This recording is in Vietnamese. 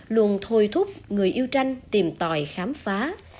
luôn thôi thúc người yêu tranh tìm tòi khám phá